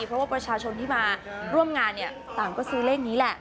เพราะว่าประชาชนที่มาร่วมงานเนี่ยต่างก็ซื้อเลขนี้แหละ